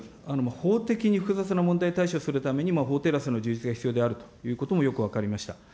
法的に複雑な問題に対処するために法テラスの充実が必要であるということもよく分かりました。